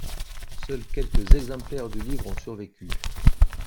Seuls quelques exemplaires du livre ont survécu.